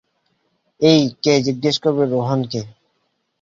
এই, কে জিজ্ঞাসা করবে রোহনকে?